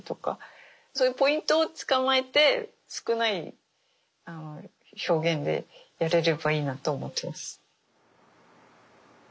そういうポイントをつかまえて少ない表現でやれればいいなと思ってます。